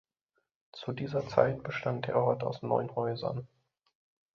Zu dieser Zeit bestand der Ort aus neun Häusern.